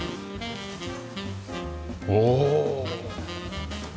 おお！